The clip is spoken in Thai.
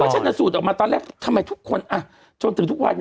ชนะสูตรออกมาตอนแรกทำไมทุกคนจนถึงทุกวันนี้